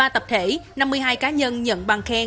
một mươi ba tập thể năm mươi hai cá nhân nhận bằng khen